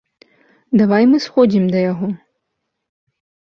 Давай мы сходзім да яго.